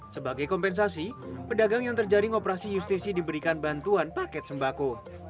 sebagai kompensasi pedagang yang terjaring operasi justisi diberikan bantuan paket sembako